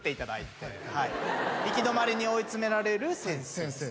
行き止まりに追い詰められる先生。